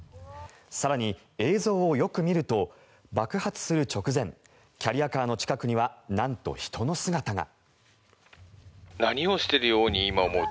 更に、映像をよく見ると爆発する直前キャリアカーの近くにはなんと、人の姿が。